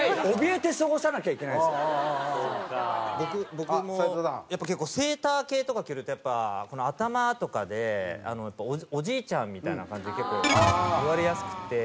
僕も結構セーター系とか着るとやっぱ頭とかでおじいちゃんみたいな感じで結構言われやすくて。